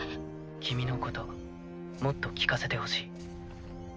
君のこともっと聞かせてほしい。